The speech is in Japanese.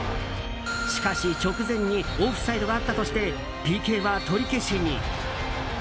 しかし直前にオフサイドがあったとしてＰＫは取り消しに。